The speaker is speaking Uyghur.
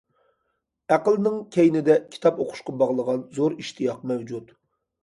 ئەقىلنىڭ كەينىدە كىتاب ئوقۇشقا باغلىغان زور ئىشتىياق مەۋجۇت.